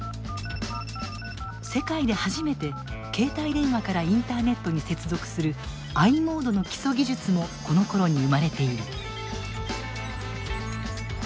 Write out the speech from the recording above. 世界で初めて携帯電話からインターネットに接続するｉモードの基礎技術もこのころに生まれている。